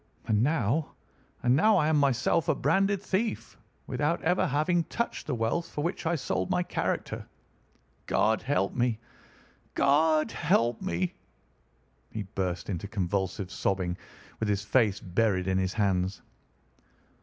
And now—and now I am myself a branded thief, without ever having touched the wealth for which I sold my character. God help me! God help me!" He burst into convulsive sobbing, with his face buried in his hands.